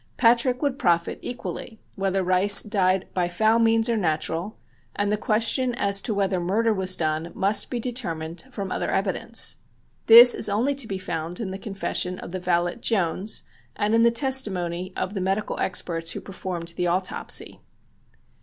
Patrick would profit equally whether Rice died by foul means or natural, and the question as to whether murder was done must be determined from other evidence. This is only to be found in the confession of the valet Jones and in the testimony of the medical experts who performed the autopsy.